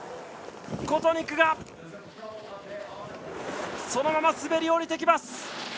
コトニクがそのまま滑り降りてきます。